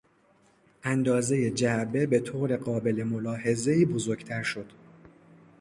اندازهی جعبه به طور قابل ملاحظهای بزرگتر شد.